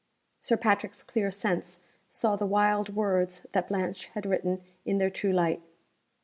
Sir Patrick's clear sense saw the wild words that Blanche had written in their true light.